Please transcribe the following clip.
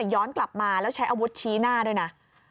ย้อนกลับมาแล้วใช้อาวุธชี้หน้าด้วยนะ